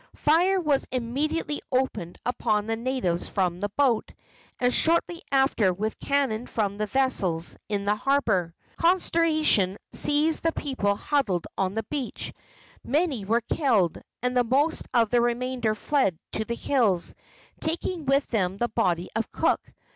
Fire was immediately opened upon the natives from the boat, and shortly after with cannon from the vessels in the harbor. Consternation seized the people huddled on the beach. Many were killed, and the most of the remainder fled to the hills, taking with them the body of Cook.